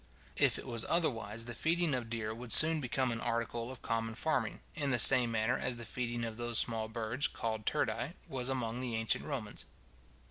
If it was otherwise, the feeding of deer would soon become an article of common farming, in the same manner as the feeding of those small birds, called turdi, was among the ancient Romans.